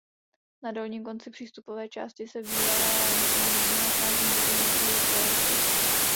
Na dolním konci přístupné části se v bývalém mlýně nachází muzeum motýlů celého světa.